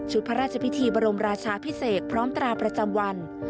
พระราชพิธีบรมราชาพิเศษพร้อมตราประจำวัน